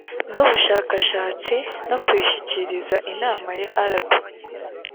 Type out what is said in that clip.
n ubushakashatsi no kuyishyikiriza inama ya rp